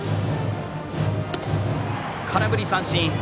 空振り三振。